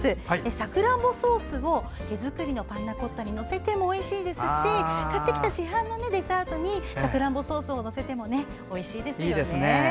さくらんぼソースを手作りのパンナコッタに載せてもおいしいですし買ってきた市販のデザートにさくらんぼソースを載せてもおいしいですよね。